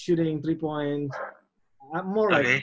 saya lebih seperti pemain orang lain